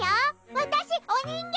わたしお人形！